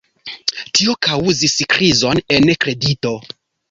Tio kaŭzis krizon en kredito.